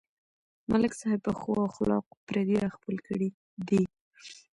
ملک صاحب په ښو اخلاقو پردي راخپل کړي دي.